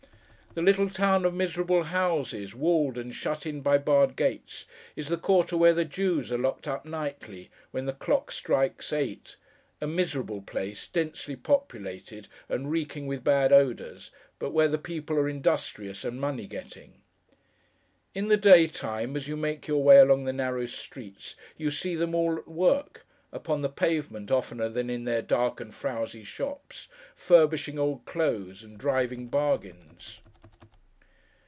The little town of miserable houses, walled, and shut in by barred gates, is the quarter where the Jews are locked up nightly, when the clock strikes eight—a miserable place, densely populated, and reeking with bad odours, but where the people are industrious and money getting. In the day time, as you make your way along the narrow streets, you see them all at work: upon the pavement, oftener than in their dark and frouzy shops: furbishing old clothes, and driving bargains.